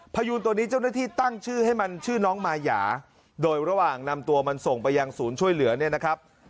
พยูนตัวนี้เจ้าหน้าที่ตั้งชื่อให้มันชื่อน้องมายาโดยระหว่างนำตัวมันส่งไปยังศูนย์ช่วยเหลือเนี่ยนะครับ